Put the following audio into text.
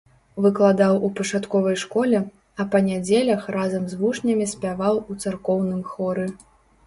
Выкладаў у пачатковай школе, а па нядзелях разам з вучнямі спяваў у царкоўным хоры.